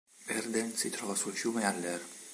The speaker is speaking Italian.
Verden si trova sul fiume Aller.